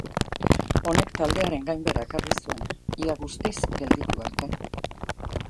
Honek taldearen gainbehera ekarri zuen, ia guztiz gelditu arte.